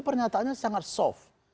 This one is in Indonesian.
pernyataannya sangat soft